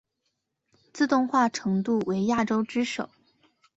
自动化程度为亚洲之首。